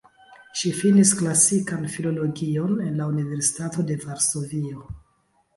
Ŝi finis klasikan filologion en la Universitato de Varsovio.